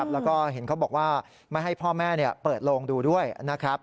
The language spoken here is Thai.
แล้วก็เห็นเขาบอกว่าไม่ให้พ่อแม่เปิดโลงดูด้วยนะครับ